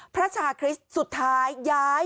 พระชาคริสต์สุดท้ายย้าย